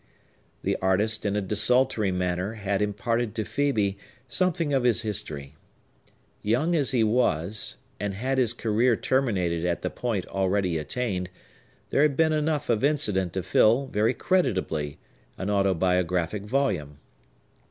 The artist, in a desultory manner, had imparted to Phœbe something of his history. Young as he was, and had his career terminated at the point already attained, there had been enough of incident to fill, very creditably, an autobiographic volume.